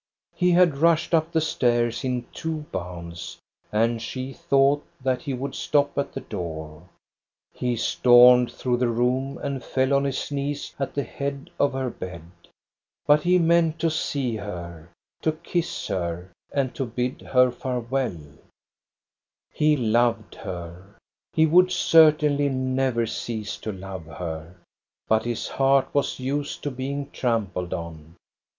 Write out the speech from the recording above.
He had rushed up the stairs in two bounds, and she thought that he would stop at the door. He stormed through the room and fell on his knees at the head of her bed. But he meant to see her, to kiss her, and to bid Jier farewell. 154 THE STORY OF GOSTA BERLING He loved her. He would certainly never cease to love her, but his heart was used to being trampled on.